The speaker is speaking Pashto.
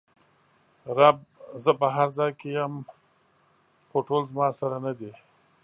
رب: زه په هر ځای کې ېم خو ټول زما سره ندي!